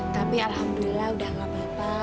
tapi alhamdulillah udah gak apa apa